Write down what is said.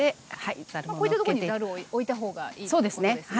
こういったとこにざるをおいたほうがいいということですね。